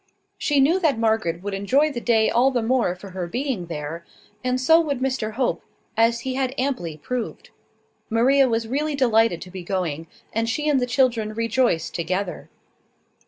She knew that Margaret would enjoy the day all the more for her being there; and so would Mr Hope, as he had amply proved. Maria was really delighted to be going, and she and the children rejoiced together.